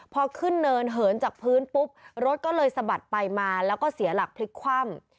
พอขึ้นเนินเหินจากพื้นปุ๊บรถก็เลยสะบัดไปมาแล้วก็เสียหลักพลิกคว่ำ